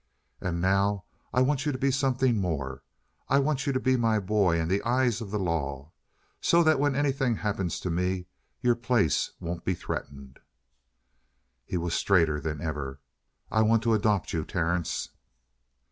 "And now I want you to be something more. I want you to be my boy in the eyes of the law, so that when anything happens to me, your place won't be threatened." He was straighter than ever. "I want to adopt you, Terence!"